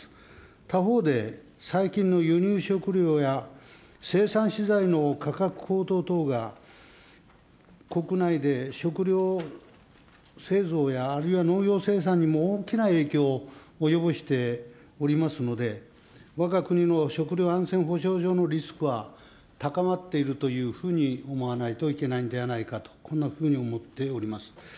他方で最近の輸入食料や生産資材の価格高騰等が国内で食料製造やあるいは農業生産にも大きな影響を及ぼしておりますので、わが国の食料安全保障上のリスクは高まっているというふうに思わないといけないんではないかと、こんなふうに思っております。